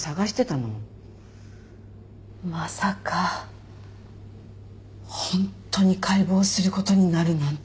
まさか本当に解剖する事になるなんて。